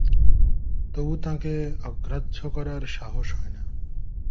তবু তাঁকে অগ্রাহ্য করার সাহস হয় না।